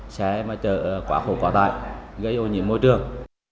thế mà trở quá khổ quá tải gây ô nhiễm bối trường